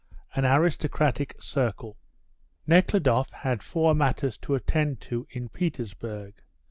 AN ARISTOCRATIC CIRCLE. Nekhludoff had four matters to attend to in Petersburg.